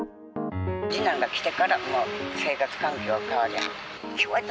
次男が来てからもう生活環境変わりはった。